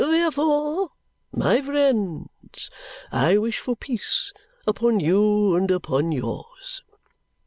Therefore, my friends, I wish for peace, upon you and upon yours."